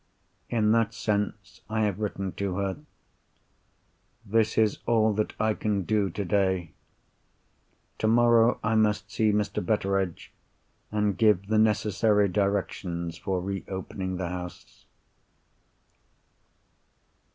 In that sense, I have written to her. This is all that I can do today. Tomorrow I must see Mr. Betteredge, and give the necessary directions for re opening the house.